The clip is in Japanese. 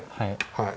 はい。